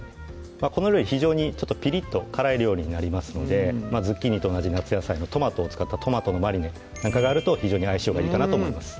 この料理非常にピリッと辛い料理になりますのでズッキーニと同じ夏野菜のトマトを使ったトマトのマリネなんかがあると非常に相性がいいかなと思います